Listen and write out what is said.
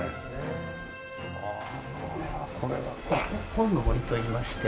本の森といいまして。